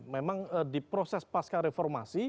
memang di proses pasca reformasi